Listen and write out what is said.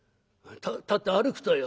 「立って歩くとよ。